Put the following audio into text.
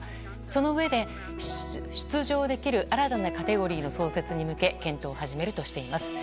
そのうえで、出場できる新たなカテゴリーの創設に向け検討を始めるとしています。